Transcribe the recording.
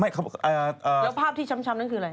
แล้วภาพที่ช้ำนั้นคืออะไร